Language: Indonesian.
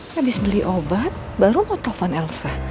habis beli obat baru mau telepon elsa